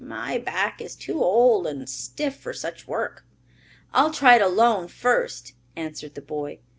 My back is too old and stiff for such work." "I'll try it alone first," answered the boy.